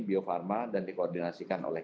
bio farma dan dikoordinasikan oleh